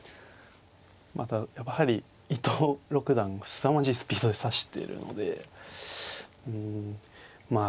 またやはり伊藤六段がすさまじいスピードで指してるのでうんまあ